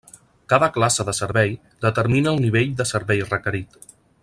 Cada classe de servei determina el nivell de servei requerit.